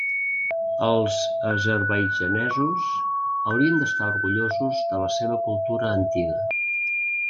Els azerbaidjanesos haurien d'estar orgullosos de la seva cultura antiga.